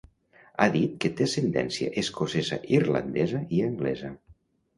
Ha dit que té ascendència escocesa-irlandesa i anglesa.